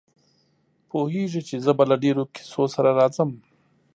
پوهېږي چې زه به له ډېرو کیسو سره راځم.